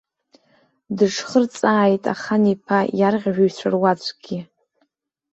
Дыҽхырҵааит ахан-иԥа иарӷьажәҩацәа руаӡәкгьы.